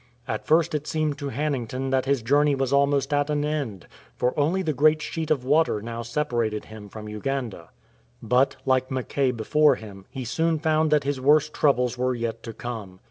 At first it seemed to Hannington that his journey was almost at an end, for only the great sheet of water now separated him from Uganda. But, like Mackay before him, he soon found that his worst troubles were yet to come.